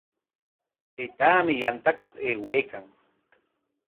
Taytaami yantakuq aywaykan.